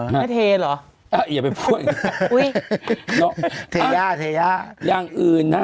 ไม่เทหรออย่าไปพูดอุ้ยเทหญ้าเทหญ้าอย่างอื่นนะ